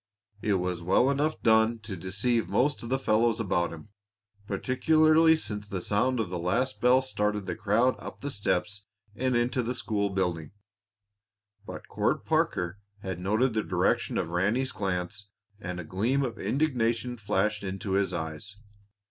It was well enough done to deceive most of the fellows about him, particularly since the sound of the last bell started the crowd up the steps and into the school building. But Court Parker had noted the direction of Ranny's glance, and a gleam of indignation flashed into his eyes.